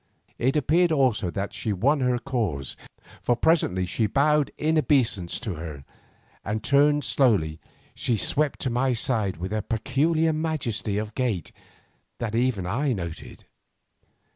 It appeared also that she won her cause, for presently they bowed in obeisance to her, and turning slowly she swept to my side with a peculiar majesty of gait that even then I noted.